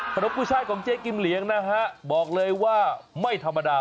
กุ้ยช่ายของเจ๊กิมเหลียงนะฮะบอกเลยว่าไม่ธรรมดา